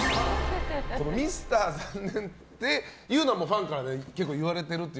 このミスター残念っていうのもファンから結構言われていると。